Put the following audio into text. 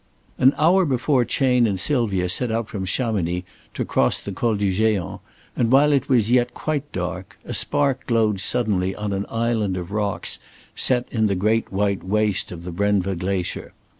An hour before Chayne and Sylvia set out from Chamonix to cross the Col du Géant, and while it was yet quite dark, a spark glowed suddenly on an island of rocks set in the great white waste of the Brenva glacier.